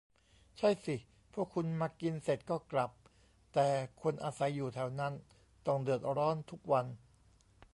ใช่สิ พวกคุณมากินเสร็จก็กลับ แต่คนอาศัยอยู่แถวนั้นต้องเดือดร้อนทุกวัน